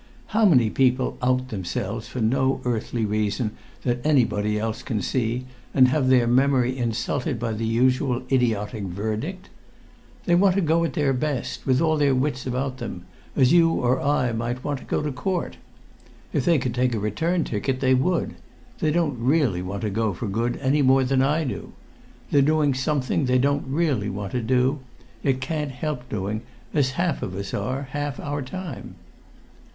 "How many people out themselves for no earthly reason that anybody else can see, and have their memory insulted by the usual idiotic verdict? They're no more temporarily insane than I am. It's their curiosity that gets the better of them. They want to go at their best, with all their wits about them, as you or I might want to go to Court. If they could take a return ticket, they would; they don't really want to go for good any more than I do. They're doing something they don't really want to do, yet can't help doing, as half of us are, half our time."